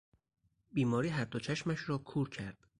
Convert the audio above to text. بیماری هر دو چشمش را کور کرد.